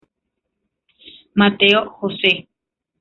Mateo Jose.